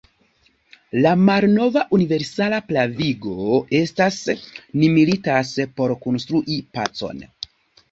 La malnova universala pravigo estas: ni militas por konstrui pacon!